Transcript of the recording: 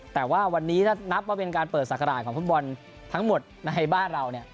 แต่ว่าวันนี้ถ้านับว่าเป็นการเปิดศักราชของฟุตบอลทั้งหมดในบ้านเราเนี่ย